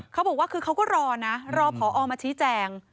เขาบอกว่าคือเขาก็รอนะรอพอมาชี้แจง